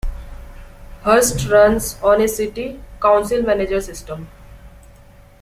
Hurst runs on a city council - manager system.